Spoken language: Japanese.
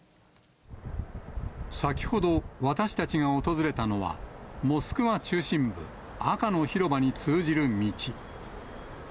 先ほど、私たちが訪れたのは、モスクワ中心部、赤の広場に通じる道。